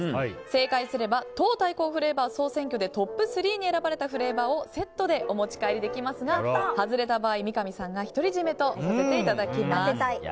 正解すれば党対抗フレーバー総選挙でトップ３に選ばれたフレーバーをセットでお持ち帰りできますが外れた場合、三上さんが独り占めとさせていただきます。